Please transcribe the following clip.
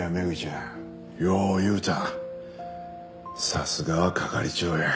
さすがは係長や。